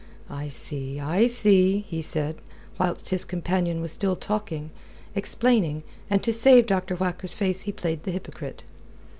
"I see, I see," he said, whilst his companion was still talking, explaining, and to save Dr. Whacker's face he played the hypocrite.